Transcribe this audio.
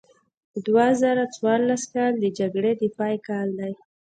دوه زره څوارلس کال د جګړې د پای کال دی.